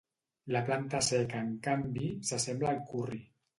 La planta seca en canvi, s'assembla al curri.